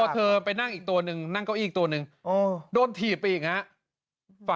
เขาไม่ชอบ